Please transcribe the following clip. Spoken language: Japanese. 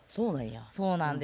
そうなんや。